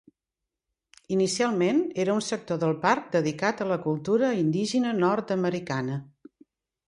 Inicialment era un sector del parc dedicat a la cultura indígena nord-americana.